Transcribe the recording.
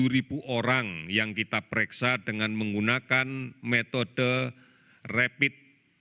tujuh ribu orang yang kita pereksa dengan menggunakan metode rapid